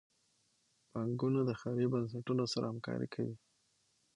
بانکونه د خیریه بنسټونو سره همکاري کوي.